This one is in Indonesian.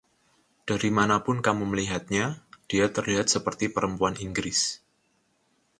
Dari manapun kamu melihatnya, dia terlihat seperti perempuan Inggris.